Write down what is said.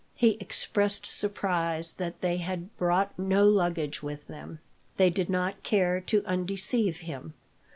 He expressed surprise that they had brought no luggage with them. They did not care to undeceive him.